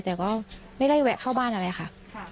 แต่ก็ไม่ได้แวะเข้าบ้านอะไรค่ะ